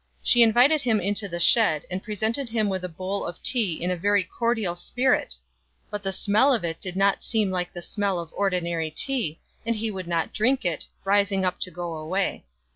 She invited him into the shed, and presented him with a bowl of tea in a very cordial spirit ; but the smell of it did not seem like the smell of ordinary tea, and he would not drink it, rising up to go away.